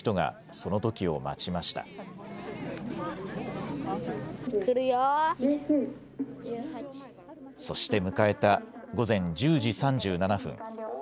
そして迎えた午前１０時３７分。